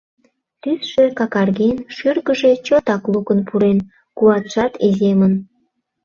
Тӱсшӧ какарген, шӱргыжӧ чотак лукын пурен, куатшат иземын.